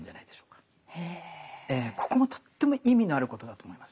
ここもとっても意味のあることだと思います。